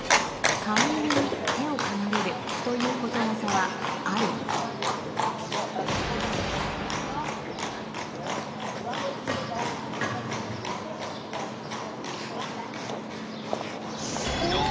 「飼い犬に手をかまれる」ということわざはあるお！